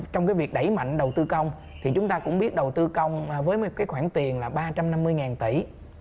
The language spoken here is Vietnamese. trong cái việc đẩy mạnh đầu tư công thì chúng ta cũng biết đầu tư công với cái khoản tiền là ba trăm năm mươi tỷ